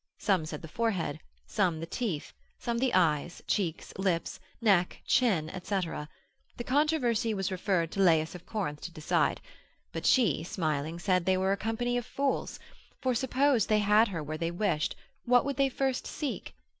some said the forehead, some the teeth, some the eyes, cheeks, lips, neck, chin, &c., the controversy was referred to Lais of Corinth to decide; but she, smiling, said, they were a company of fools; for suppose they had her where they wished, what would they first seek?